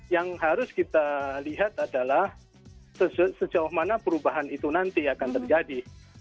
yang harus kita lihat adalah sejauh mana perubahan itu nanti akan terjadi